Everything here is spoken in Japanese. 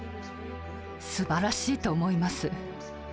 すばらしいと思います。